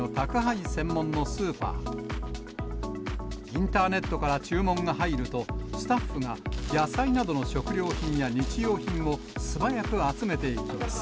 インターネットから注文が入ると、スタッフが野菜などの食料品や日用品を素早く集めていきます。